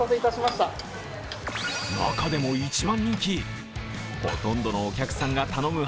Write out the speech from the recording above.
中でも一番人気、ほとんどのお客さんが頼む